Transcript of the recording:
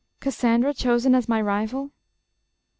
... Cassandra chosen as my rival? ...